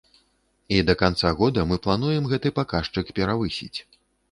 І да канца года мы плануем гэты паказчык перавысіць.